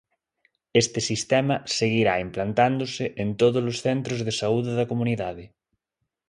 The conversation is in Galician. Este sistema seguirá implantándose en todos os centros de saúde da comunidade.